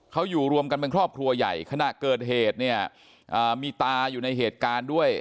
เขาอยู่รวมกันเป็นครอบครัวใหญ่ขณะเกิดเหตุเนี่ยมีตาอยู่ในเหตุการณ์ด้วย